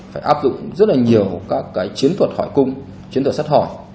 phải áp dụng rất là nhiều các cái chiến thuật hỏi cung chiến thuật sắt hỏi